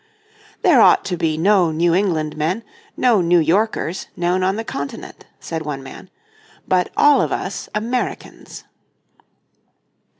"There ought to be no New England men, no New Yorkers, known on the continent," said one man; "but all of us Americans."